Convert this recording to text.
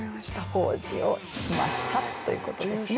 「工事をしました」ということですね。